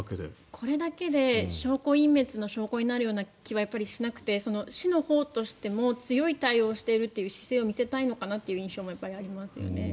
これだけで証拠隠滅の証拠になる気はしなくてやっぱりしなくて市のほうとしても強い対応をしているっていう姿勢を見せたいのかなという印象もありますね。